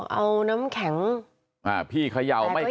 เอาน้ำแข็งอ้าวพี่เขย่าไม่ขยับ